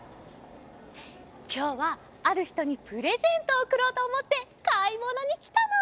きょうはあるひとにプレゼントをおくろうとおもってかいものにきたの！